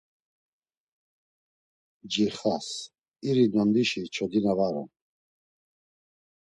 Ncixas, iri nondişi çodina var on.